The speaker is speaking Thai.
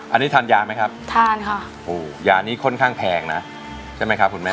อันนี้ทานยาไหมครับทานค่ะโอ้ยานี้ค่อนข้างแพงนะใช่ไหมครับคุณแม่